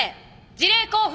辞令交付。